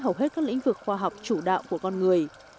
hầu hết các lĩnh vực khoa học chủ đạo của con người